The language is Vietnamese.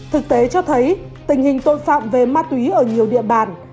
thực tế cho thấy tình hình tội phạm về ma túy ở nhiều địa bàn